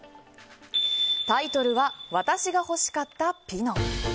タイトルは「私がほしかったピノ」。